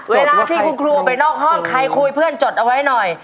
เวลาที่คุณครูไปนอกห้องใครคุยเพื่อนจดเอาไว้หน่อย